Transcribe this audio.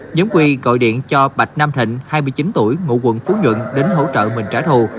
nhóm quy gọi điện cho bạch nam thịnh hai mươi chín tuổi ngụ quận phú nhuận đến hỗ trợ mình trả thù